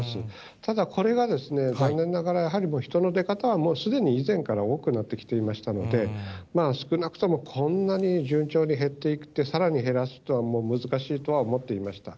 ただ、これがですね、残念ながらやはり人の出方は以前から多くなってきていましたので、少なくともこんなに順調に減っていって、さらに減らすというのはもう難しいとは思っていました。